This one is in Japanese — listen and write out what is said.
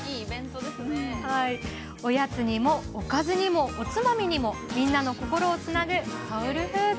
おやつにも、おかずにもおつまみにもみんなの心をつなぐソウルフード。